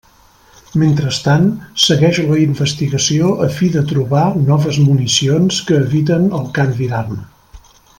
Mentrestant segueix la investigació a fi de trobar noves municions que eviten el canvi d'arma.